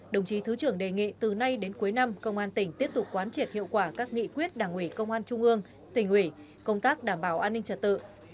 đồng chí thứ trưởng đề nghị từ nay đến cuối năm công an tỉnh tiếp tục quán triệt hiệu quả các nghị quyết đảng ủy công an trung ương tỉnh ủy công tác đảm bảo an ninh trật tự